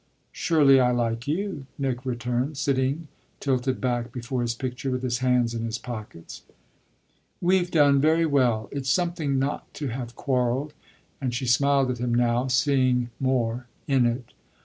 "Surely I like you," Nick returned, sitting tilted back before his picture with his hands in his pockets. "We've done very well: it's something not to have quarrelled" and she smiled at him now, seeming more "in" it.